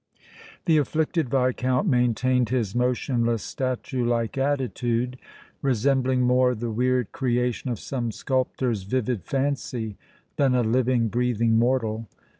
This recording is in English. The afflicted Viscount maintained his motionless, statue like attitude, resembling more the weird creation of some sculptor's vivid fancy than a living, breathing mortal.